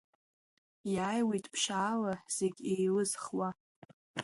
Иааиуеит ԥшьаала зегь еилызхуа.